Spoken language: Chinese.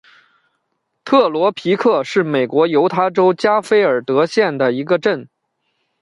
特罗皮克是美国犹他州加菲尔德县的一个镇。